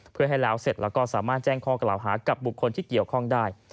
เพื่อให้แล้วเสร็จแล้วก็สามารถแจ้งข้อกล่าวหากับบุคคลที่เกี่ยวข้องได้